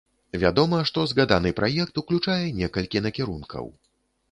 Вядома, што згаданы праект уключае некалькі накірункаў.